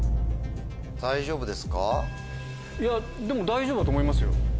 大丈夫だと思いますよ。